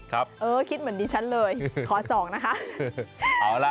คิดเหมือนดิฉันเลยขอส่องนะคะ